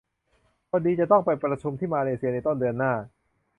พอดีจะต้องไปประชุมที่มาเลเซียในต้นเดือนหน้า